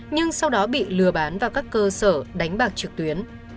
nhưng sau đó bị lừa bán vào các cơ sở đánh bạc trực tuyến